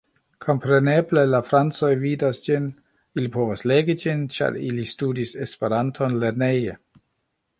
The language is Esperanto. Kompreneble, la francoj vidas ĝin, ili povas legi ĝin, ĉar ili studis Esperanton lerneje.